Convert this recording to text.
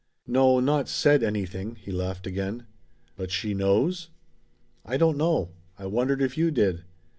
"No, not said anything," he laughed again. "But she knows?" "I don't know. I wondered if you did."